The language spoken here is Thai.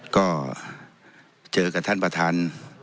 ก็เจอกับท่านประธาน